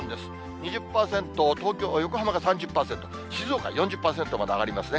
２０％、東京が、横浜が３０％、静岡４０％まで上がりますね。